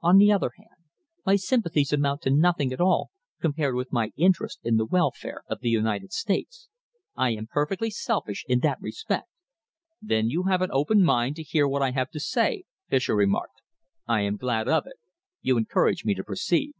On the other hand, my sympathies amount to nothing at all compared with my interest in the welfare of the United States. I am perfectly selfish in that respect." "Then you have an open mind to hear what I have to say," Fischer remarked. "I am glad of it. You encourage me to proceed."